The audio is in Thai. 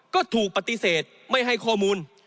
ก็ถูกปฏิเสธไม่ให้ข้อมูล